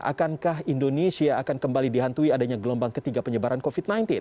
akankah indonesia akan kembali dihantui adanya gelombang ketiga penyebaran covid sembilan belas